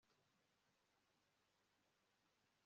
ubwo william we yasigaye ahagaze aho yarageze